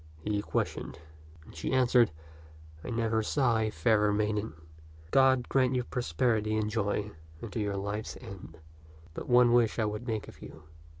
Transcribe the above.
he questioned ; and she answered, " I never saw a fairer maiden. God grant you prosperity and joy unto your t^^ Cktk'& t<xit 157 life's end. But one wish I would make of you.